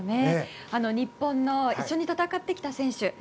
日本の一緒に戦ってきた選手